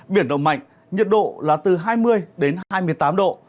biển động mạnh nhiệt độ là từ hai mươi đến hai mươi tám độ